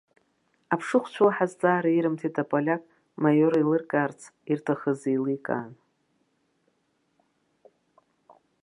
Аԥшыхәцәа уаҳа зҵаара ирымҭеит аполиак маиореилыркаарц ирҭахыз еилкаан.